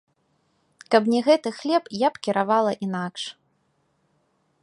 Каб не гэты хлеб, я б кіравала інакш.